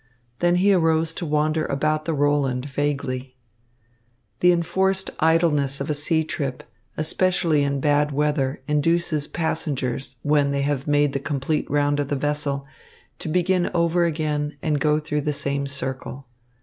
Then he arose to wander about the Roland vaguely. The enforced idleness of a sea trip, especially in bad weather, induces passengers, when they have made the complete round of the vessel, to begin over again and go through the same circle.